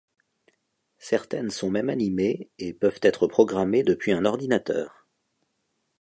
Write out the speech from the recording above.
Certaines sont même animées et peuvent être programmées depuis un ordinateur.